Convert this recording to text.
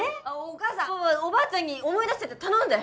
お母さんおばあちゃんに思い出してって頼んで！